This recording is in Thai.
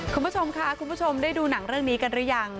คุณผู้ชมค่ะคุณผู้ชมได้ดูหนังเรื่องนี้กันหรือยัง